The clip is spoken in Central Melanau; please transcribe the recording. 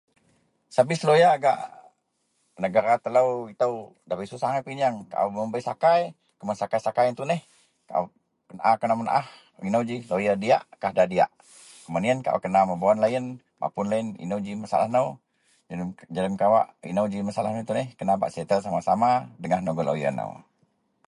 Sevis loya gak negara lo ito dabei susah angai pinyeang mun kaau bei sakai kuman sakai-sakai iyen tuneh ino ji loya diyak kah da diyak. Men iyen kaau kena mebawen loyen mapun loyen ino ji masalah nou jegem ino ji masalah iyen tuneh kena bak setel sama-sama dengah nou gak loya nou.